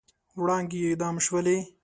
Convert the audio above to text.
وړانګې اعدام شولې